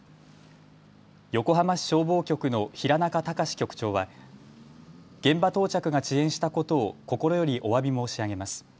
横浜市消防局の平中隆局長は現場到着が遅延したことを心よりおわび申し上げます。